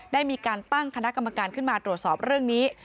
ได้มีการตั้งคณะกรรมการขึ้นมาตรวจสอบเรื่องนี้